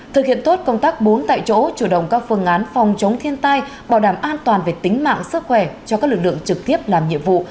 thực hiện tốt công tác bốn tại chỗ chủ động các phương án phòng chống thiên tai bảo đảm an toàn về tính mạng sức khỏe cho các lực lượng trực tiếp làm nhiệm vụ